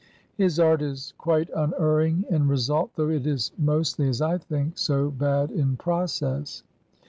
His art is quite unerring in result, though it is nvostly, as I think, so bad in process.